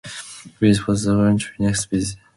Greece was the country next visited.